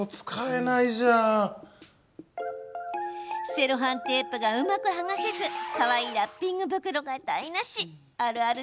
セロハンテープがうまく剥がせずかわいいラッピング袋が台なし。